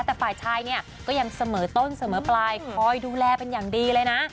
แต่ฝ่ายชายเนี่ยก็ยังเสมอต้นเสมอปลายคอยดูแลเป็นอย่างดีเลยนะ